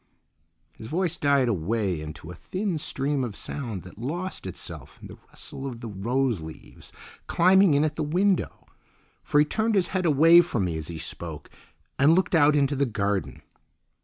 ..." His voice died away into a thin stream of sound that lost itself in the rustle of the rose leaves climbing in at the window, for he turned his head away from me as he spoke and looked out into the garden.